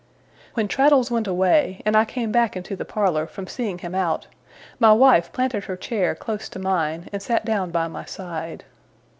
When Traddles went away, and I came back into the parlour from seeing him out, my wife planted her chair close to mine, and sat down by my side.